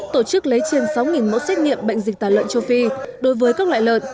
tổ chức lấy trên sáu mẫu xét nghiệm bệnh dịch tả lợn châu phi đối với các loại lợn